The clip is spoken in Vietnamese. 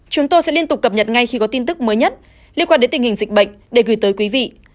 chúng tôi sẽ liên tục cập nhật ngay khi có tin tức mới nhất liên quan đến tình hình dịch bệnh để gửi tới quý vị